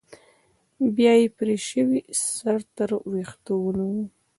بيا يې پرې شوى سر تر ويښتو ونيو.